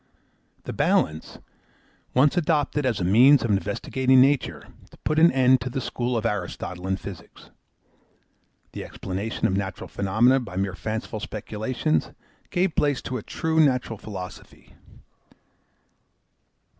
The balance, once adopted as a means of investigating nature, put an end to the school of Aristotle in physics. The explanation of natural phenomena by mere fanciful speculations, gave place to a true natural philosophy.